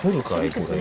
これ。